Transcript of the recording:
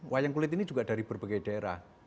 wayang kulit ini juga dari berbagai daerah